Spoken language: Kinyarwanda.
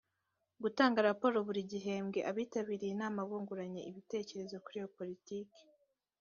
gutanga raporo buri gihembwe abitabiriye inama bunguranye ibitekerezo kuri iyo politiki